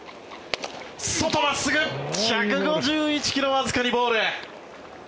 外、真っすぐ１５１ｋｍわずかにボール。